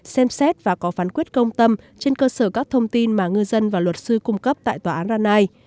xem xét và có phán quyết công tâm trên cơ sở các thông tin mà ngư dân và luật sư cung cấp tại tòa án rani